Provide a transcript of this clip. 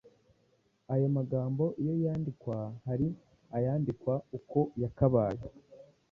Ayo magambo iyo yandikwa hari ayandikwa uko yakabaye,